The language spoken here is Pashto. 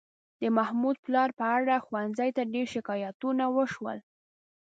د محمود پلار په اړه ښوونځي ته ډېر شکایتونه وشول.